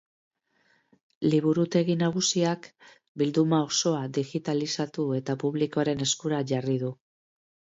Liburutegi Nagusiak bilduma osoa digitalizatu eta publikoaren eskura jarri du.